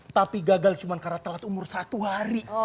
tapi gagal cuma karena telat umur satu hari